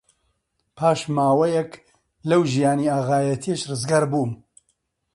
پاش ماوەیەک لەو ژیانی ئاغایەتییەش ڕزگار بووم